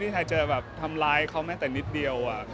ที่จะทำร้ายเขาแม่นแต่นิดเดียวอ่ะ